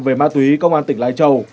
về ma túy công an tỉnh lai châu